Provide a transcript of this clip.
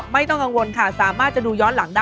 ไม่ต้องกังวลค่ะสามารถจะดูย้อนหลังได้